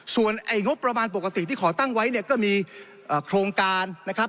ส่วนงบประมาณปกติที่ขอตั้งไว้เนี่ยก็มีโครงการนะครับ